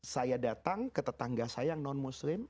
saya datang ke tetangga saya yang non muslim